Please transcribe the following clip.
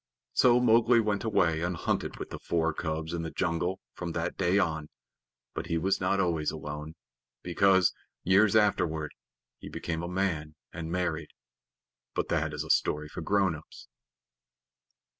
So Mowgli went away and hunted with the four cubs in the jungle from that day on. But he was not always alone, because, years afterward, he became a man and married. But that is a story for grown ups.